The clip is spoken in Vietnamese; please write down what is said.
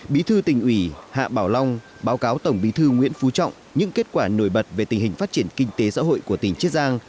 bí thư tỉnh ủy hạ bảo long báo cáo tổng bí thư nguyễn phú trọng những kết quả nổi bật về tình hình phát triển kinh tế xã hội của tỉnh chiết giang